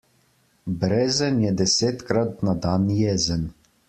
Brezen je desetkrat na dan jezen.